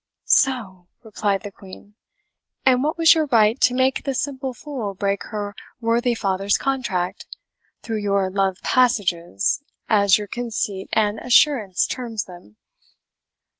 "Soh!" replied the Queen. "And what was your right to make the simple fool break her worthy father's contract, through your love PASSAGES, as your conceit and assurance terms them?"